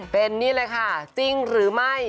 เป็นนี่เลยค่ะจริงหรือไม่